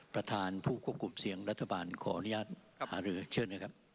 ประธานผู้ควบคุมเสียงรัฐบาลขออนุญาตหาเหลือ